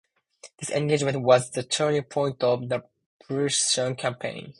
This engagement was the turning point of the Prussians' campaign.